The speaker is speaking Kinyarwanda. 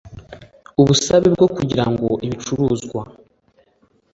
ubusabe bwo kugira ngo ibicuruzwa